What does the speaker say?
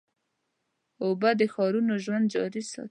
اوبه د ښارونو ژوند جاري ساتي.